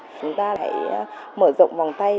chúng ta hãy mở rộng vòng tay